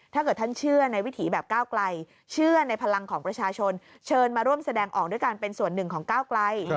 ถ้าเกิดท่านเชื่อในวิถีแบบก้าวไกลเชื่อในพลังของประชาชนเชิญมาร่วมแสดงออกด้วยการเป็นส่วนหนึ่งของก้าวไกล